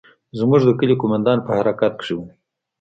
زموږ د کلي قومندان په حرکت کښې و.